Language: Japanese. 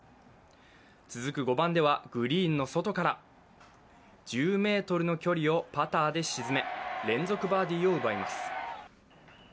続く５番ではグリーンの外から１０ｍの距離をパターで沈め連続バーディーを奪います。